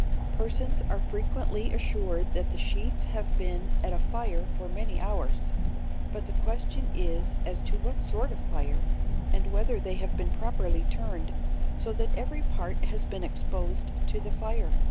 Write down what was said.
Persons are frequently assured that the sheets have been at a fire for many hours, but the question is as to what sort of fire, and whether they have been properly turned, so that every part has been exposed to the fire.